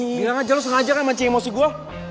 bilang aja lo sengaja kan mancing emosi gue